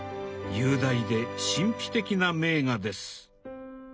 雄大で神秘的な名画です。